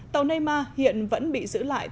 tàu neymar hiện vẫn bị giữ lại